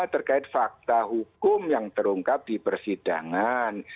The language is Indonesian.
terkait fakta hukum yang terungkap di persidangan